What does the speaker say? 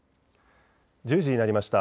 １０時になりました。